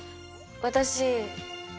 私。